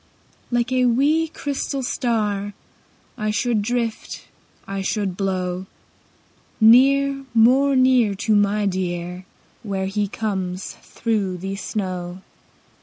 Like a wee, crystal star I should drift, I should blow Near, more near, To my dear Where he comes through the snow.